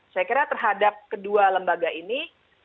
saya kira terhadap kedua lembaga ini